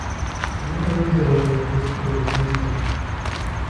En un abrir y cerrar de ojos, lo tienes hecho